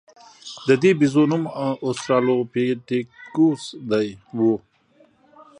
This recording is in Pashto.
د دې بیزو نوم اوسترالوپیتکوس و.